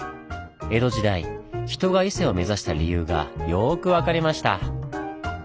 江戸時代人が伊勢を目指した理由がよく分かりました。